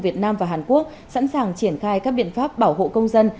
việt nam và hàn quốc sẵn sàng triển khai các biện pháp bảo hộ công dân